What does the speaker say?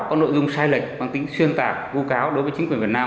có nội dung sai lệch bằng tính xuyên tạc nguyên cáo đối với chính quyền việt nam